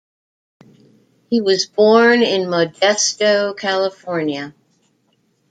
He was born in Modesto, California.